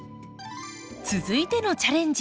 続いてのチャレンジ！